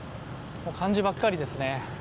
漢字ばっかりですね。